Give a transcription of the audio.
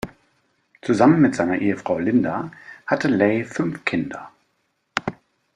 Zusammen mit seiner Ehefrau Linda hatte Lay fünf Kinder.